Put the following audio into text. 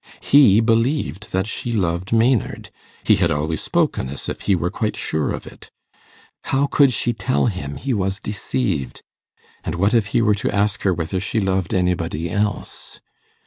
He believed that she loved Maynard; he had always spoken as if he were quite sure of it. How could she tell him he was deceived and what if he were to ask her whether she loved anybody else?